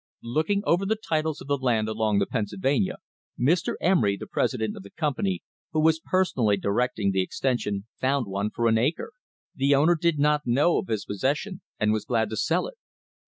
Looking over the titles of the land along the Pennsylvania, Mr. Emery, the president of the company, who was personally directing the extension, found one for an acre; the owner did not know of his pos session and was glad to sell it.